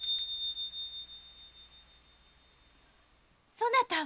そなたは？